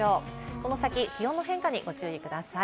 この先、気温の変化にご注意ください。